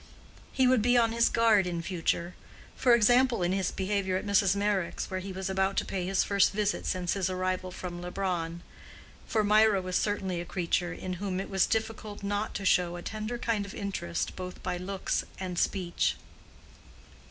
He would be on his guard in future; for example, in his behavior at Mrs. Meyrick's, where he was about to pay his first visit since his arrival from Leubronn. For Mirah was certainly a creature in whom it was difficult not to show a tender kind of interest both by looks and speech.